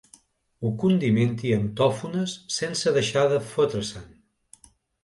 Ho condimenti amb tòfones sense deixar de fotre-se'n.